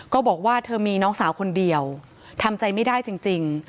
บอกว่าเธอมีน้องสาวคนเดียวทำใจไม่ได้จริง